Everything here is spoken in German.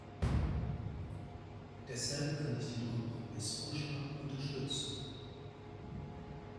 Deshalb kann ich den Kompromissvorschlag unterstützen.